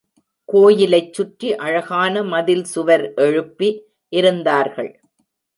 கோயிலைச் சுற்றி அழகான மதில் சுவர் எழுப்பி இருந்தார்கள்.